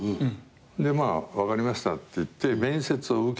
でまあ分かりましたって言って面接を受けて。